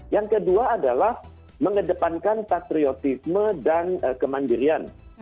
yang kedua adalah mengedepankan patriotisme dan kemandirian